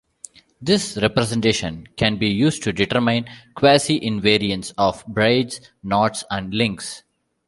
This representation can be used to determine quasi-invariants of braids, knots and links.